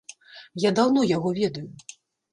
Я даўно яго ведаю.